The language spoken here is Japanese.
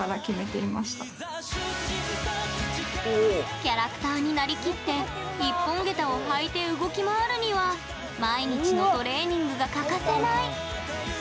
キャラクターになりきって一本下駄を履いて動き回るには毎日のトレーニングが欠かせない。